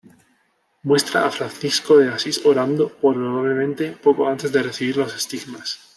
Muestra a Francisco de Asís orando, probablemente poco antes de recibir los estigmas.